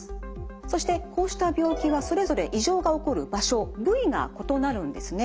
そしてこうした病気はそれぞれ異常が起こる場所部位が異なるんですね。